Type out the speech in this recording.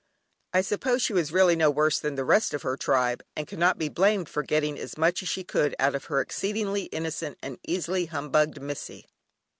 I suppose she was really no worse than the rest of her tribe, and cannot be blamed for getting as much as she could out of her exceedingly innocent and easily humbugged "missie."